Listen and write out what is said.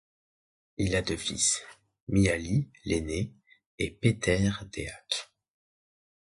Il a deux fils, Mihály, l'aîné, et Péter Deák.